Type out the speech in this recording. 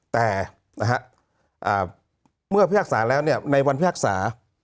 แต่เมื่อพิพากษาแล้วในวันพิพากษา